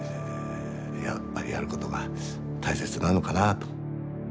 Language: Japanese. やっぱりやることが大切なのかなと。